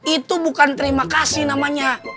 itu bukan terima kasih namanya